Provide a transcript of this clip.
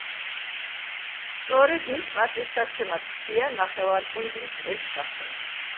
სწორედ მის პატივსაცემად ჰქვია ნახევარკუნძულს ეს სახელი.